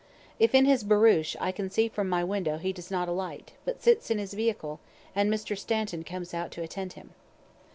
If in his barouche, I can see from my window he does not alight, but sits in his vehicle, and Mr. Stanton comes out to attend him.